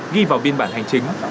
ghi vào biên bản hành chính